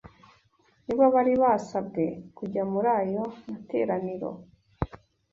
ni bo bari basabwe kujya muri ayo materaniro;